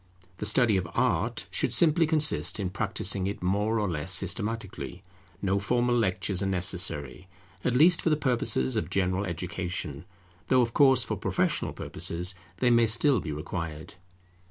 The study of Art should simply consist in practising it more or less systematically. No formal lectures are necessary, at least for the purposes of general education, though of course for professional purposes they may still be required.